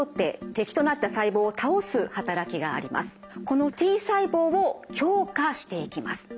このＴ細胞を強化していきます。